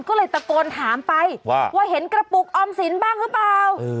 ก็เลยตะโกนถามไปว่าเห็นกระปุกออมสินบ้างหรือเปล่า